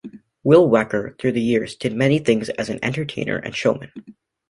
Will Wecker, through the years, did many things as an entertainer and showman.